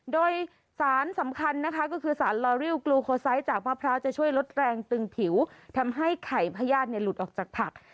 โดยสารสำคัญนะคะก็คือสารลอริวกลูโคไซส์จากมะพร้าวจะช่วยลดแรงตึงผิวทำให้ไข่พญาติหลุดออกจากผัก